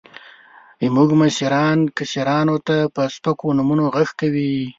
زموږ مشران، کشرانو ته په سپکو نومونو غږ کوي.